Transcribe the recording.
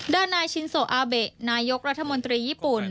ด้านนายชินโซอาเบะนายกรัฐมนตรีญี่ปุ่น